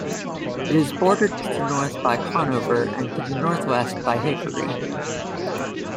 It is bordered to the north by Conover and to the northwest by Hickory.